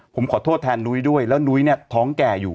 ผมขอโทษแทนนุ้ยด้วยแล้วนุ้ยเนี่ยท้องแก่อยู่